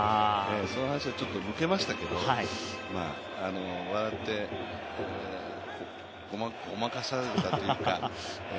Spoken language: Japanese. その話はちょっと抜けましたけど笑ってごまかされたというか。